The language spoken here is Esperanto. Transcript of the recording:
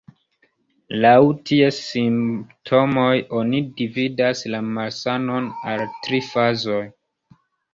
Laŭ ties simptomoj oni dividas la malsanon al tri fazoj.